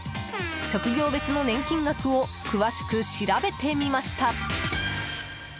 職業別の年金額を詳しく調べてみました。